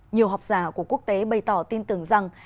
nhiều học giả của quốc tế bày tỏ tin tưởng rằng